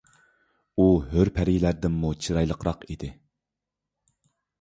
ئۇ ھۆر پەرىلەردىنمۇ چىرايلىقراق ئىدى.